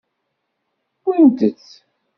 Wwint-t.